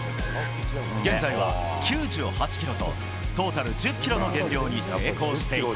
現在は９８ｋｇとトータル１０ｋｇの減量に成功していた。